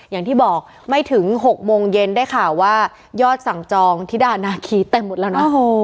อย่างที่บอกไม่ถึง๖โมงเย็นได้ข่าวว่ายอดสั่งจองธิดานาคีเต็มหมดแล้วนะ